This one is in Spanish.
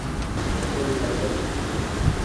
Michael y Laura se enamoran.